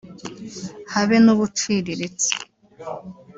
habe n’ubuciriritse